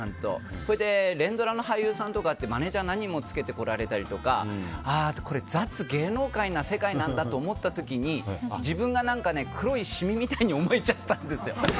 それで連続オラの俳優さんとかはマネジャーさん何人もつけてこられたとかこれ、ザッツ芸能界な世界なんだって思った時に自分が何か黒いしみみたいに思えちゃったんですよ。